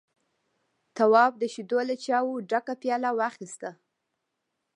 تواب د شيدو له چايو ډکه پياله واخيسته.